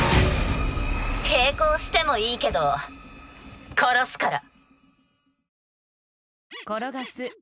抵抗してもいいけど殺すから。